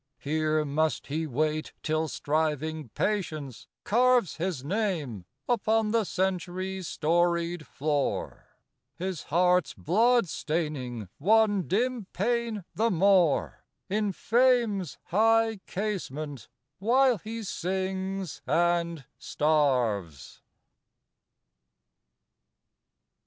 Here must he wait till striving Patience carves His name upon the century storied floor; His heart's blood staining one dim pane the more In Fame's high casement while he sings and starves.